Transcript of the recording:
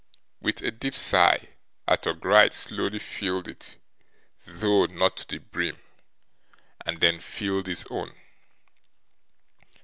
With a deep sigh, Arthur Gride slowly filled it though not to the brim and then filled his own.